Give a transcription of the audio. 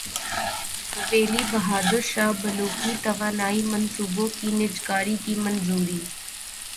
حویلی بہادر شاہ بلوکی توانائی منصوبوں کی نجکاری کی منظوری